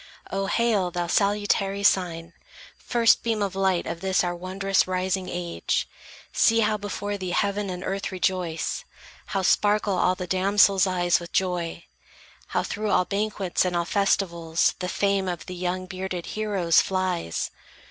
O hail, thou salutary sign, first beam Of light of this our wondrous, rising age! See, how before thee heaven and earth rejoice, How sparkle all the damsels' eyes with joy, How through all banquets and all festivals The fame of the young bearded heroes flies!